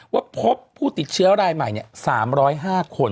ว่าพบผู้ติดเชื้อรายใหม่๓๐๕คน